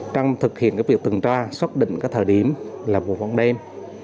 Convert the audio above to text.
trong thực hiện việc tuần tra xác định thời điểm là một vòng đêm